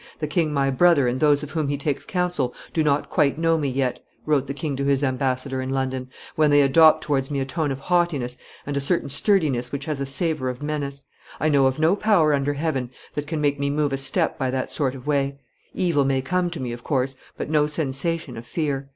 "The king my brother and those of whom he takes counsel do not quite know me yet," wrote the king to his ambassador in London, "when they adopt towards me a tone of haughtiness and a certain sturdiness which has a savor of menace. I know of no power under heaven that can make me move a step by that sort of way; evil may come to me, of course, but no sensation of fear.